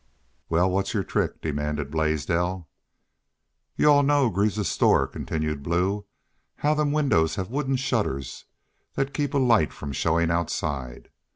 "Wal, what's your trick?" demanded Blaisdell. "Y'u all know Greaves's store," continued Blue. "How them winders have wooden shutters thet keep a light from showin' outside?